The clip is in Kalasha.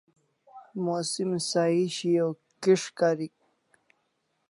Musim sahi shiau kis' karik